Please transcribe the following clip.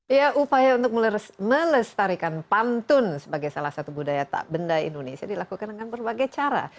ya upaya untuk melestarikan pantun sebagai salah satu budaya tak benda indonesia dilakukan dengan berbagai cara